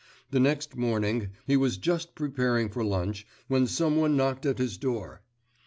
The next morning he was just preparing for lunch, when some one knocked at his door.